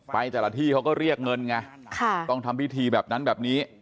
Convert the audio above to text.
ไปแต่ละที่เขาก็เรียกเงินไงต้องทำพิธีแบบนั้นแบบนี้